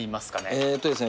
えとですね